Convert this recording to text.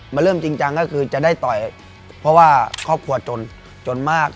มันเริ่มจริงจังก็คือจะได้ต่อยเพราะว่าครอบครัวจนจนมาก